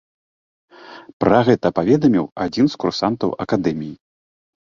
Пра гэта паведаміў адзін з курсантаў акадэміі.